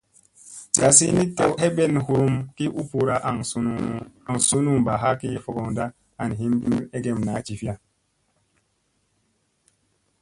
Gazi ni tew a heben hurum ki u puura an sunu mba ha ki fogondani an hin tut egem naani fi jivira.